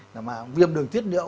là mà viêm đường thiết liệu